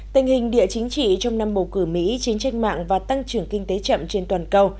tình hình địa chính trị trong năm bầu cử mỹ chiến tranh mạng và tăng trưởng kinh tế chậm trên toàn cầu